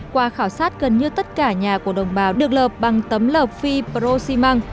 qua khảo sát gần như tất cả nhà của đồng bào được lợp bằng tấm lợp fibrosimang